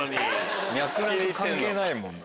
脈絡関係ないもんな。